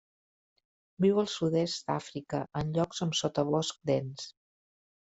Viu al sud-est d'Àfrica en llocs amb sotabosc dens.